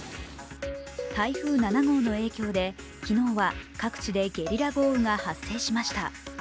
台風７号の影響で昨日は各地でゲリラ豪雨が発生しました。